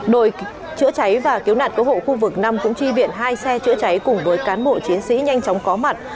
đội chữa cháy và cứu nạn cứu hộ khu vực năm cũng chi viện hai xe chữa cháy cùng với cán bộ chiến sĩ nhanh chóng có mặt